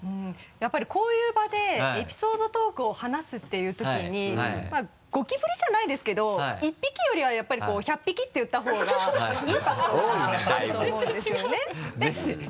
やっぱりこういう場でエピソードトークを話すっていう時にまぁゴキブリじゃないですけど１匹よりはやっぱりこう１００匹って言った方がインパクトがあると思うんですよね。